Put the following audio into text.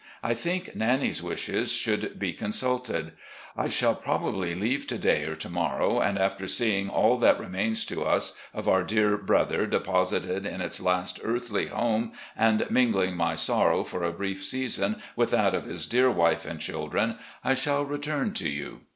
I think Nannie's wishes should be consulted. I shall probably leave to day or to morrow, and, after seeing all that remains to us of our ^General Lee's eldest daughter. 362 RECOLLECTIONS OP GENERAL LEE dear brother deposited in its last earthly home, and min gling my sorrow for a brief season with that of his dear wife and children, I shall return to you.